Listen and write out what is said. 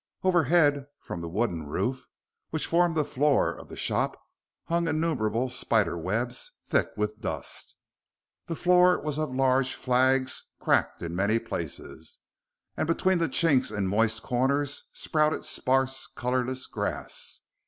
Overhead, from the wooden roof, which formed the floor of the shop, hung innumerable spider's webs thick with dust. The floor was of large flags cracked in many places, and between the chinks in moist corners sprouted sparse, colorless grass.